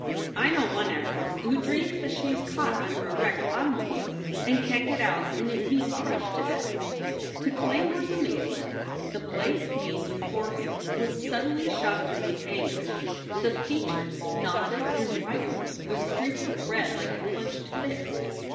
"I know one actress who dreams that she is caught under a wrecked automobile and can t get out and is being crushed to death." To Claymore s amazement the blank mien before him was suddenly shot through with anguish, the features knotted and whitened with streaks of red like a clenched fist.